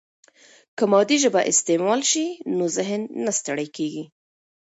که مادي ژبه استعمال شي، نو ذهن نه ستړی کیږي.